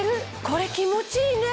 これ気持ちいいね！